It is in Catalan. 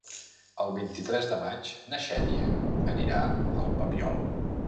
El vint-i-tres de maig na Xènia anirà al Papiol.